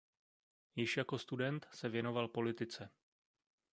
Již jako student se věnoval politice.